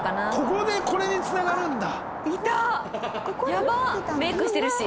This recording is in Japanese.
ここでこれにつながるんだ！